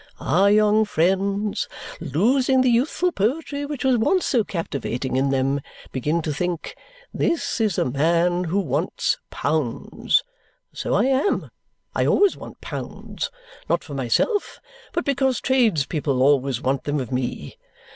Our young friends, losing the youthful poetry which was once so captivating in them, begin to think, 'This is a man who wants pounds.' So I am; I always want pounds; not for myself, but because tradespeople always want them of me.